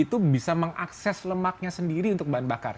itu bisa mengakses lemaknya sendiri untuk bahan bakar